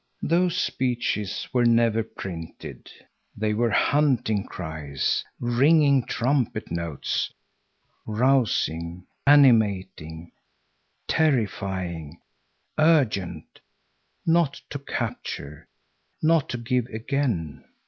Those speeches were never printed. They were hunting cries, ringing trumpet notes, rousing, animating, terrifying, urgent; not to capture, not to give again.